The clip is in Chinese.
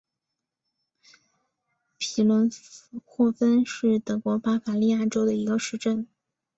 皮伦霍芬是德国巴伐利亚州的一个市镇。